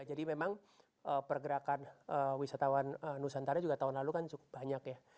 jadi memang pergerakan wisatawan nusantara juga tahun lalu kan cukup banyak ya